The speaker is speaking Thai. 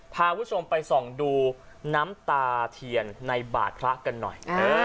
พาคุณผู้ชมไปส่องดูน้ำตาเทียนในบาทพระกันหน่อย